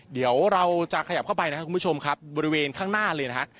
เดี๋ยวเราจะขยับเข้าไปนะครับคุณผู้ชมครับบริเวณข้างหน้าเลยนะฮะ